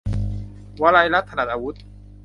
วรรณรัตน์ ถนัดอาวุธ